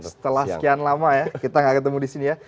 setelah sekian lama ya kita gak ketemu di sini ya